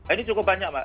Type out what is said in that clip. ini cukup banyak mbak